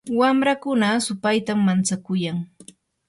wamrakuna supaytam mantsakuyan.